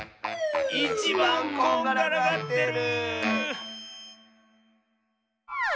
いちばんこんがらがってる！